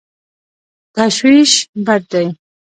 تشویش بد دی.